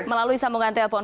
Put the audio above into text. melalui sambungan telepon